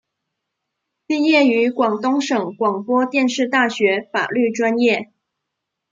毕业于广东省广播电视大学法律专业。